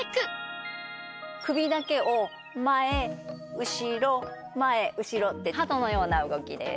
首だけを前後ろ前後ろってハトのような動きです。